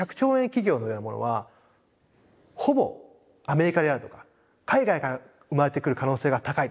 企業のようなものはほぼアメリカであるとか海外から生まれてくる可能性が高いです。